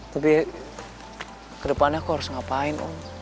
tapi kedepannya aku harus ngapain